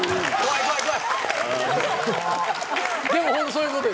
でも本当そういうこと？